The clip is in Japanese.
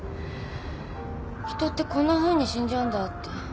人ってこんなふうに死んじゃうんだって。